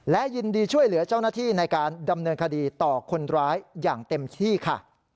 และยินดีช่วยเหลือเจ้าหน้าที่ในการดำเนินคดีต่อคนร้ายอย่างเต็มที่ค่ะ